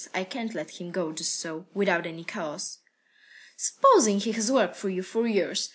I can't let him go just so, without any cause." "Supposing he has worked for you for years.